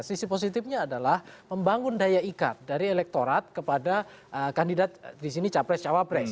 sisi positifnya adalah membangun daya ikat dari elektorat kepada kandidat di sini capres cawapres